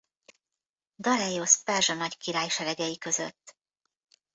Dareiosz perzsa nagykirály seregei között.